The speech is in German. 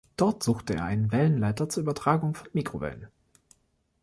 Dort suchte er einen Wellenleiter zur Übertragung von Mikrowellen.